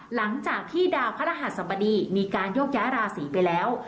หลังจากที่ดาวพระรหัสบดีมีการโยกย้ายราศีไปแล้ว